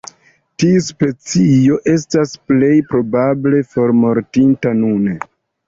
Tiu subspecio estas plej probable formortinta nune.